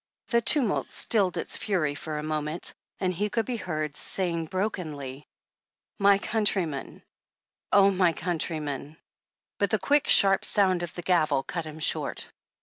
The tumult stilled its fury for a moment, and he could be heard saying brokenly : ''My countrymen, oh, my countrymen " But the quick sharp sound of the gavel cut him short.